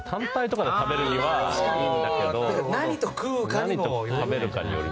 何と食うかにもよる。